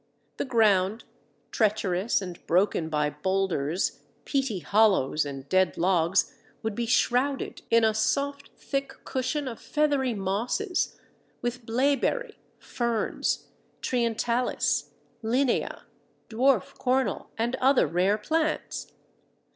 The ground, treacherous, and broken by boulders, peaty hollows, and dead logs, would be shrouded in a soft, thick cushion of feathery Mosses, with Blaeberry, Ferns, Trientalis, Linnea, Dwarf Cornel, and other rare plants.